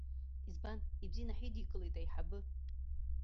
Избан, ибзианы ҳидикылеит аиҳабы.